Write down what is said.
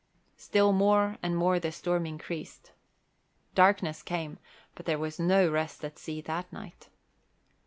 Still more and more the storm increased. Darkness came, but there was no rest at sea that night.